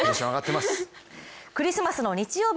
クリスマスの日曜日